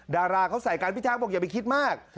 ดาราเขาใส่กันพี่แจ๊คบอกอย่าไปคิดมาก